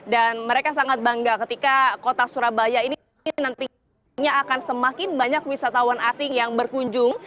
dan mereka sangat bangga ketika kota surabaya ini nantinya akan semakin banyak wisatawan asing yang berkunjung